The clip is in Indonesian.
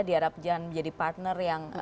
diharapkan menjadi partner yang